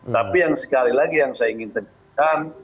tapi yang sekali lagi yang saya ingin tegaskan